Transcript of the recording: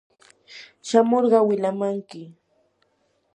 shamurqa wilamanki.